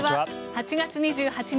８月２８日